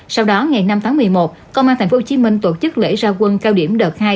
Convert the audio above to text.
sau đó ngày năm tháng một mươi một công an tp hcm tổ chức lễ ra quân cao điểm đợt hai